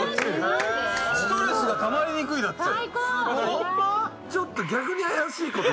ストレスがたまりにくいだって。